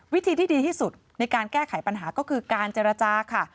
วิธีที่ดีที่สุดในการแก้ไขปัญหาก็คือการเจรจาค่ะ